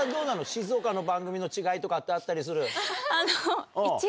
静岡の番組の違いとかあったりする？